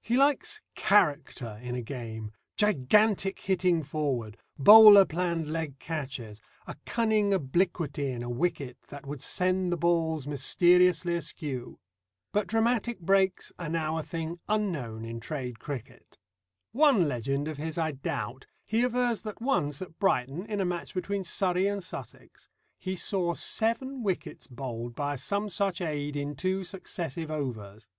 He likes "character" in a game, gigantic hitting forward, bowler planned leg catches, a cunning obliquity in a wicket that would send the balls mysteriously askew. But dramatic breaks are now a thing unknown in trade cricket. One legend of his I doubt; he avers that once at Brighton, in a match between Surrey and Sussex, he saw seven wickets bowled by some such aid in two successive overs.